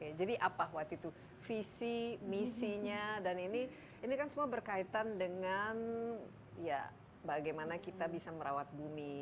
oke jadi apa waktu itu visi misinya dan ini kan semua berkaitan dengan ya bagaimana kita bisa merawat bumi